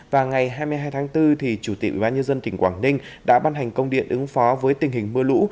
và ngày hai mươi hai tháng bốn chủ tịch ubnd tỉnh quảng ninh đã ban hành công điện ứng phó với tình hình mưa lũ